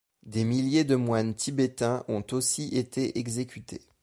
Des milliers de moines tibétains ont aussi été exécutés.